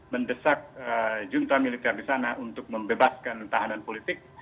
mendesak junta militer di sana untuk membebaskan tahanan politik